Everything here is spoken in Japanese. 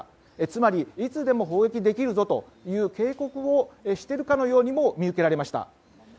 つまり、いつでも砲撃できるぞと警告をしているかのようにも見受けられました。